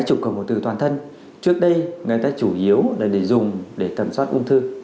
trục cộng hồn từ toàn thân trước đây người ta chủ yếu là để dùng để tẩm soát ung thư